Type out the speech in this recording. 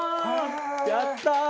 やったー！